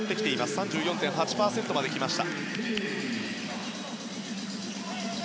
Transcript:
３４．８％まで来ました。